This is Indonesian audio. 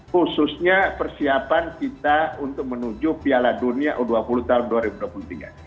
khususnya persiapan kita untuk menuju piala dunia u dua puluh tahun dua ribu dua puluh tiga